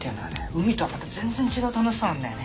海とはまた全然違う楽しさなんだよね。